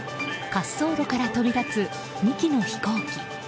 滑走路から飛び立つ２機の飛行機。